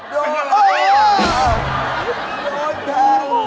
โดนแทง